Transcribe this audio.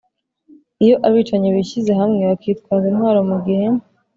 iyo abicanyi bishyize hamwe bakitwaza intwaro mu gihe